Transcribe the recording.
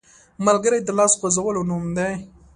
ملګری د لاس غځولو نوم دی